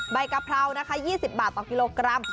กะเพรานะคะ๒๐บาทต่อกิโลกรัม